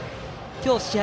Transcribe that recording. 今日、試合